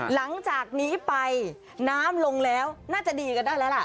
หลังจากนี้ไปน้ำลงแล้วน่าจะดีกันได้แล้วล่ะ